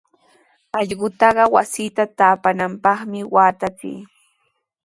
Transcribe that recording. Allqutaqa wasita taapananpaqmi waatanchik.